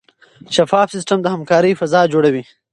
شفاف سیستم د همکارۍ فضا جوړوي.